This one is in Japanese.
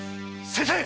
先生！